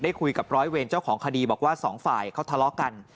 คุยกับร้อยเวรเจ้าของคดีบอกว่าสองฝ่ายเขาทะเลาะกัน